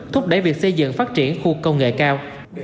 thúc đẩy việc xây dựng phát triển khu công nghệ cao